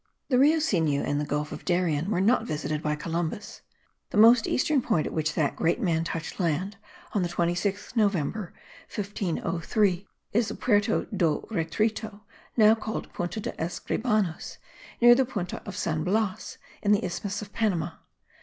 The Rio Sinu and the Gulf of Darien were not visited by Columbus. The most eastern point at which that great man touched land, on the 26th November, 1503, is the Puerto do Retreto, now called Punta de Escribanos, near the Punta of San Blas, in the isthmus of Panama.